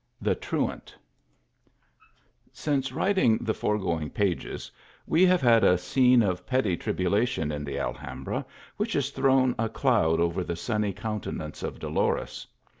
THE TRUANT, SINCE writing the foregoing pages, we have had a scene of petty tribulation in the Alhambra which has thrown a cloud over the sunny countenance of Dolores.